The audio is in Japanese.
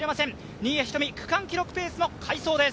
新谷仁美、区間記録ペースの快走です。